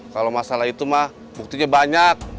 kalau masalah itu mah buktinya banyak